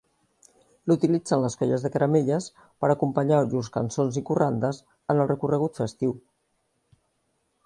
L'utilitzen les colles de caramelles per acompanyar llurs cançons i corrandes en el recorregut festiu.